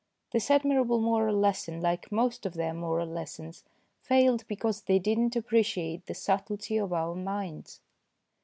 This admirable moral lesson, like most of their moral lessons, failed because they did not appreciate the subtlety of our minds.